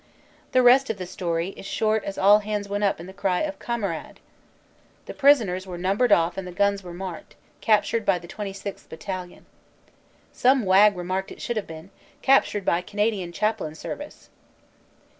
The rest of the story is short as all hands went up with the cry of "Kamerad." The prisoners were numbered off and the guns were marked, "Captured by the 26th. Battalion." Some wag remarked it should have been, "Captured by Canadian Chaplain Service."